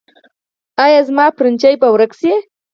ایا زما پرنجی به ورک شي؟